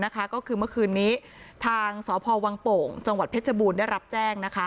ก็คือเมื่อคืนนี้ทางสพวังโป่งจังหวัดเพชรบูรณ์ได้รับแจ้ง